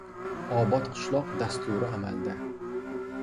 Obod qishloq dasturi amalda